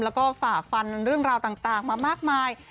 แล้วก็ฝ่าฟันเรื่องราวต่างมามากมาย